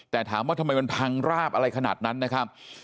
แต่ถามว่าทำไมมันพังราบอะไรขนาดนั้นนะครับ